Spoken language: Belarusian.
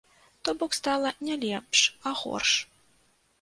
То бок стала не лепш, а горш.